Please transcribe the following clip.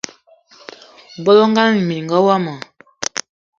Bolo ngana minenga womo